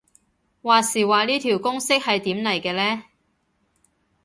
話時話呢條公式係點嚟嘅呢